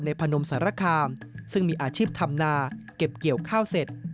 พนมสารคามซึ่งมีอาชีพทำนาเก็บเกี่ยวข้าวเสร็จ